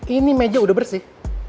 ini meja udah bersih